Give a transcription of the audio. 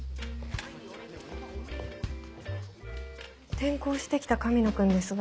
転校してきた神野くんですが。